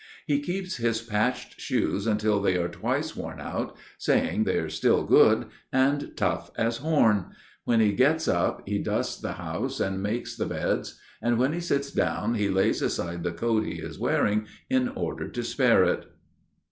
He keeps his patched shoes until they are twice worn out, saying they are still good, and tough as horn. When he gets up, he dusts the house and makes the beds, and when he sits down he lays aside the coat he is wearing in order to spare it.